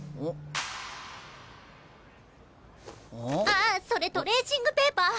ああそれトレーシングペーパー。